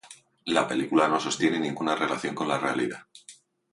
La película no sostiene ninguna relación con la realidad.